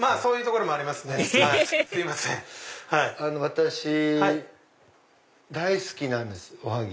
私大好きなんですおはぎ。